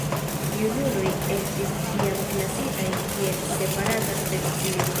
Junuloj estis iam klasitaj kiel separata specio.